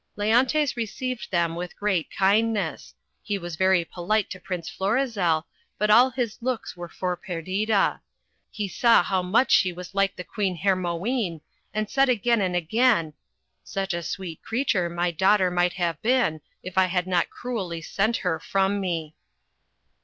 Leontes received them with great kindness. He was very polite to Prince Florizel, but all his looks were for Perdita. He saw how much she was like the Queen Hermione, and said again and again — "Such a sweet creature my daughter might have been, if I had not cruelly sent her from me."